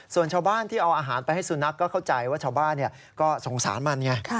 ส่วนชาวบ้านที่เอาอาหารไปให้สุนัขก็เข้าใจว่าชาวบ้านก็สงสารมันไง